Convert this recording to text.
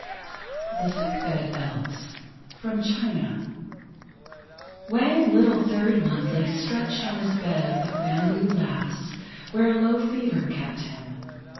THE SICK BED ELVES From China Wang Little Third One lay stretched on his bed of bamboo laths, where a low fever kept him.